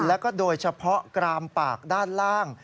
แล้วก็โดยเฉพาะกรามปากด้านล่าง